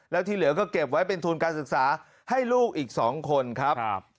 แล้วที่เหลือก็เก็บไว้เป็นทุนการศึกษาให้ลูกอีก๒คนครับ